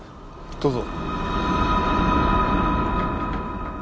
どうぞ。